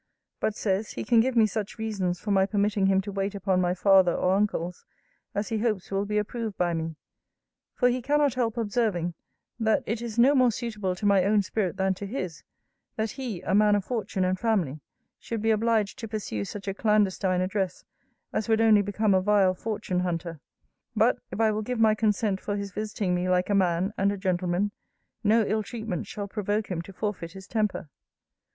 But says, he can give me such reasons for my permitting him to wait upon my father or uncles, as he hopes will be approved by me: for he cannot help observing, that it is no more suitable to my own spirit than to his, that he, a man of fortune and family, should be obliged to pursue such a clandestine address, as would only become a vile fortune hunter. But, if I will give my consent for his visiting me like a man, and a gentleman, no ill treatment shall provoke him to forfeit his temper.